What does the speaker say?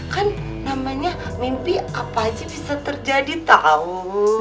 kan namanya mimpi apa aja bisa terjadi tau